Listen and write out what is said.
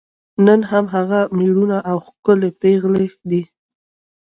نن هم هغه میړونه او ښکلي پېغلې دي.